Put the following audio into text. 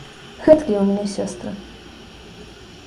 Гэткія ў мяне сёстры!